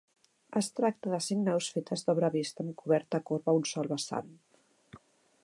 Es tracta de cinc naus fetes d'obra vista amb coberta corba a un sol vessant.